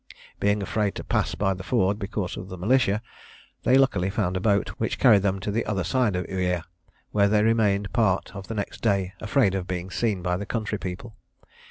Being afraid to pass by the Ford, because of the militia, they luckily found a boat, which carried them to the other side of Uia, where they remained part of the next day, afraid of being seen by the country people.